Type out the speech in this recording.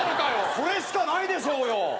それしかないでしょうよ。